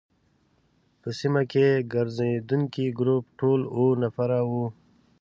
په سیمه کې ګرزېدونکي ګروپ ټول اووه نفره وو.